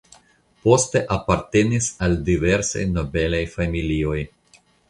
Poste apartenis al diversaj nobelaj familioj.